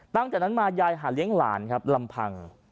ตั้งแต่นั้นมายายหาเลี้ยงหลานครับลำพัง